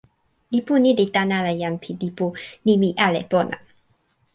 lipu ni li tan ala jan pi lipu “nimi ale pona”.